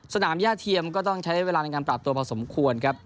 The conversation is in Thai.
สนามย่าเทียมก็ต้องใช้เวลาในการปรับตัวพอสมควรครับ